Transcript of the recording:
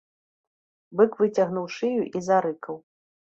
Бык выцягнуў шыю і зарыкаў.